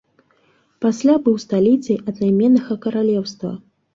Пасля быў сталіцай аднайменнага каралеўства.